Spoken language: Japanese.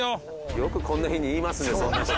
よくこんな日に言いますねそうでしょ